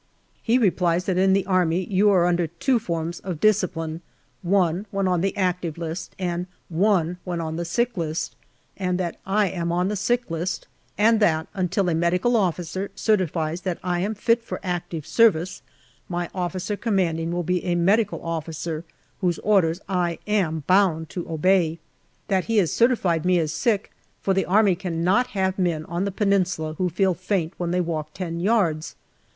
He replies that in the Army you are under two forms of discipline one when on the Active List, and one when on the Sick List ; that I am on the Sick List, and that until an M.O. certifies that I am fit for active service my O.C. will be an M.O., whose orders I am bound to obey ; that he has JULY 159 certified me as sick, for the Army cannot have men on the Peninsula who feel faint when they walk ten yards.